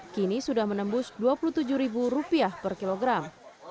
kini sudah menembus rp dua puluh tujuh per kilogram